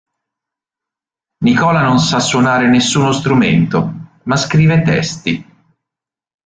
Nicola non sa suonare nessuno strumento, ma scrive testi.